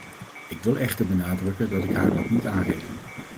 Ik wil echter benadrukken dat ik haar dat niet aanreken.